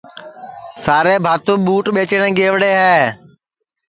سارے بھاتُو ٻوٹ ٻیچٹؔیں گئوڑے ہے